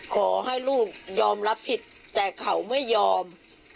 ขอให้ลูกยอมรับผิดแต่เขาไม่ยอม